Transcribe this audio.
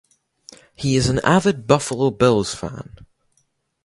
He is an avid Buffalo Bills fan.